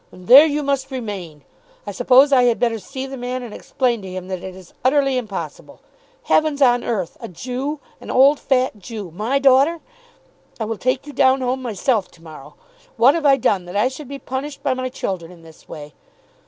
"And there you must remain. I suppose I had better see the man and explain to him that it is utterly impossible. Heavens on earth; a Jew! An old fat Jew! My daughter! I will take you down home myself to morrow. What have I done that I should be punished by my children in this way?"